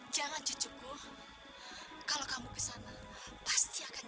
jangan cucuku kalau kamu kesana pasti akan celaka